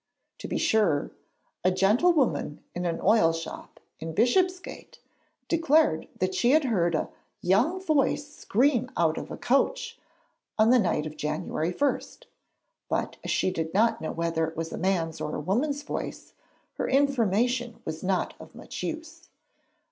To be sure, a 'gentlewoman in an oil shop' in Bishopsgate declared that she had heard a 'young voice scream out of a coach' on the night of January 1; but as she 'did not know whether it was a man's or a woman's voice,' her information was not of much use.